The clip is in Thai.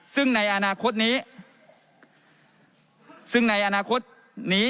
ซึ่งในอนาคตนี้